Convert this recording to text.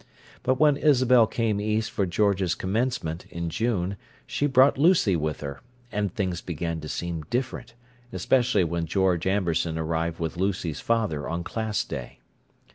But when Isabel came East for George's commencement, in June, she brought Lucy with her—and things began to seem different, especially when George Amberson arrived with Lucy's father on Class Day.